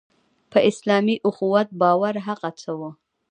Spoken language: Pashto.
په اسلامي اخوت باور هغه څه وو.